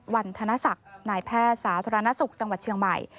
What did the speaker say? วันธนศักดิ์นายแพทย์สาธารณสุขจังหวัดเชียงใหม่